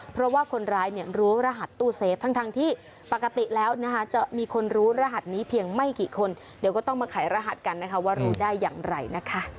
เพราะว่าคนร้ายเนี่ยรู้รหัสตู้เซฟทั้งที่ปกติแล้วนะคะจะมีคนรู้รหัสนี้เพียงไม่กี่คนเดี๋ยวก็ต้องมาขายรหัสกันนะคะว่ารู้ได้อย่างไรนะคะ